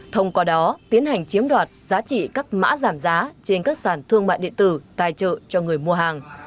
thông qua đó tiến hành chiếm đoạt giá trị các mã giảm giá trên các sản thương mại điện tử tài trợ cho người mua hàng